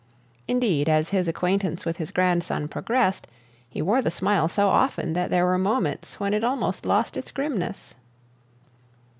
Indeed, as his acquaintance with his grandson progressed, he wore the smile so often that there were moments when it almost lost its grimness.